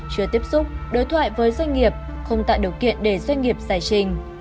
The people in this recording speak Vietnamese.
chưa tiếp xúc đối thoại với doanh nghiệp không tạo điều kiện để doanh nghiệp giải trình